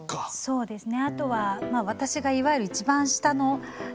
そうですね